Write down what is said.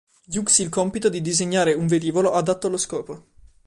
Hughes il compito di disegnare un velivolo adatto allo scopo.